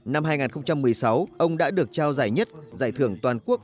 năm hai nghìn một mươi sáu ông đã được trao giải nhất giải thưởng toàn quốc